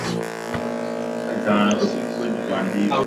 Utoaji wa mate na kukohoa